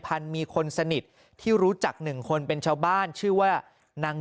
มีคนสนิทที่รู้จักหนึ่งคนเป็นชาวบ้านชื่อว่านาง